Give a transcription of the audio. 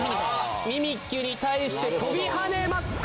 ミミッキュに対してとびはねますか！